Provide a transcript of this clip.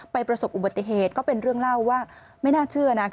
ประสบอุบัติเหตุก็เป็นเรื่องเล่าว่าไม่น่าเชื่อนะ